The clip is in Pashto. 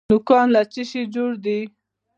نوکان له څه شي جوړ دي؟